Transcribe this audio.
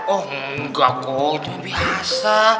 oh enggak kok biasa